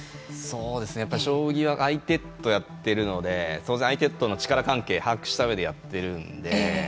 やっぱり将棋は相手とやっているので当然、相手との力関係を把握したうえでやっているので。